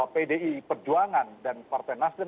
pdi perjuangan dan partai nasdem